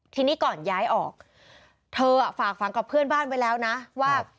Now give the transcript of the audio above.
ทีนี้ก่อนย้ายออกเธอฝากฝังกับเพื่อนบ้านไว้แล้วนะว่า